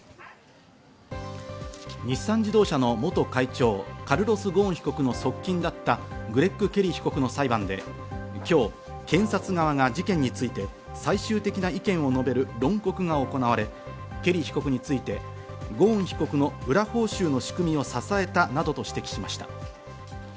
日産自動車の元会長カルロス・ゴーン被告の側近だったグレッグ・ケリー被告の裁判で今日、検察側が事件について最終的な意見を述べる論告が行われ、ケリー被告についてゴーン被告の裏報酬の仕組みを支えたなどと指摘しました。